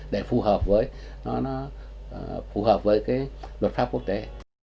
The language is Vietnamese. để phù hợp với luật pháp quốc tế